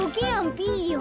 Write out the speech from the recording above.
ピーヨン。